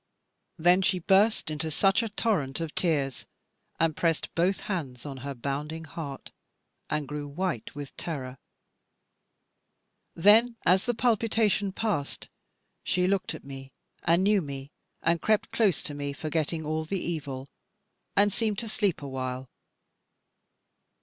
Then she burst into such a torrent of tears, and pressed both hands on her bounding heart, and grew white with terror. Then as the palpitation passed, she looked at me and knew me, and crept close to me, forgetting all the evil, and seemed to sleep awhile.